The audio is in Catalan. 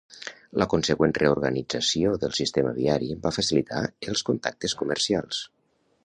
La consegüent reorganització del sistema viari va facilitar els contactes comercials.